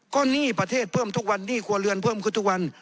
ก็หนี้ประเทศเพิ่มทุกวันหนี้ครัวเรือนเพิ่มขึ้นทุกวัน